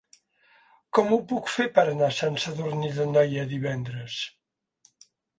Com ho puc fer per anar a Sant Sadurní d'Anoia divendres?